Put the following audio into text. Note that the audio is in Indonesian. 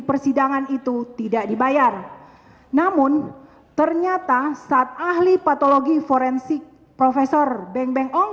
persidangan itu tidak dibayar namun ternyata saat ahli patologi forensik profesor beng beng ong